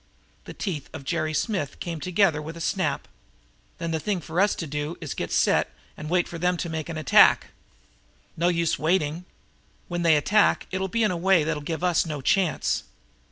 The teeth of Jerry Smith came together with a snap. "Then the thing for us to do is to get set and wait for them to make an attack?" "No use waiting. When they attack it'll be in a way that'll give us no chance."